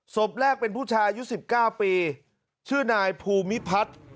ศพแรกเป็นผู้ชายอายุ๑๙ปีชื่อนายภูมิพัฒน์